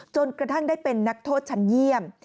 จนกระทั่งได้เป็นนักโทษชั้นเยี่ยม